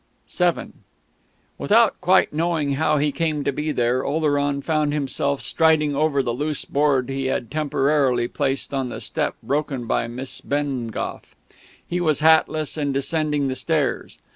VII Without quite knowing how he came to be there Oleron found himself striding over the loose board he had temporarily placed on the step broken by Miss Bengough. He was hatless, and descending the stairs.